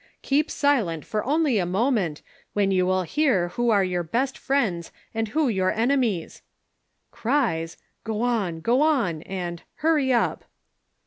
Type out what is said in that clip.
] Keep silent for only a moment, when you will hear who are your best friends and who your enemies. [Cries, go on, go on and hurry up.